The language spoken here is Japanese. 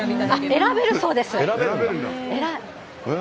選べるそうです。